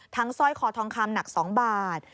สร้อยคอทองคำหนัก๒บาท